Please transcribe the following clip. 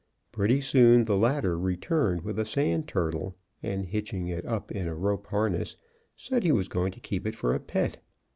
Pretty soon the latter returned with a sand turtle and, hitching it up in a rope harness, said he was going to keep it for a pet.